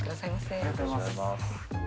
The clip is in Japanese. ありがとうございます。